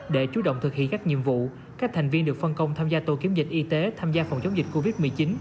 để chú động thực hiện các nhiệm vụ các thành viên được phân công tham gia tổ kiểm dịch y tế tham gia phòng chống dịch covid một mươi chín